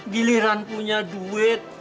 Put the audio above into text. giliran punya duit